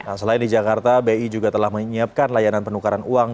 nah selain di jakarta bi juga telah menyiapkan layanan penukaran uang